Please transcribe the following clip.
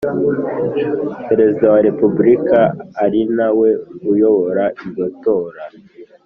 Perezida wa Repubulika ari na we uyobora iryo tora